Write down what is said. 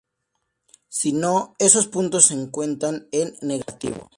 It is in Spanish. Si no, esos puntos se cuentan en negativo.